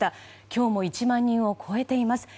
今日も１万人を超えています。